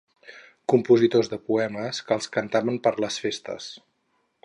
Compositors de poemes que els cantaven per les festes.